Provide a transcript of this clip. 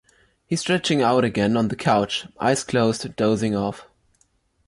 He’s stretching out again on the couch, eyes closed, dozing off.